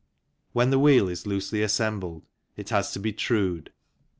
When the wheel is loosely assembled it has to be trued.